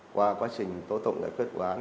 qua quá trình tố tụng đại quyết của án